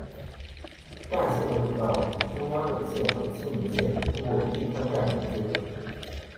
干线的轨道与中央本线和青梅线通过立川站连接着。